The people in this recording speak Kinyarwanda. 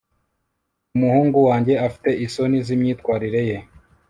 umuhungu wanjye afite isoni zimyitwarire ye